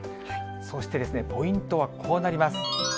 そしてですね、ポイントはこうなります。